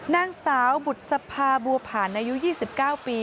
นางสาวบุษภาบัวผ่านอายุ๒๙ปี